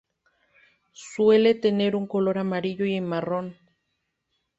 Suele tener un color amarillo o marrón.